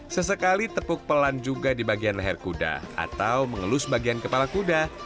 sesekali tepuk pelan juga di bagian leher kuda atau mengelus bagian kepala kuda